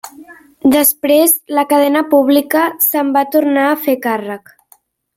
Després, la cadena pública se'n va tornar a fer càrrec.